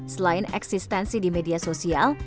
selain eksistensi di media sosial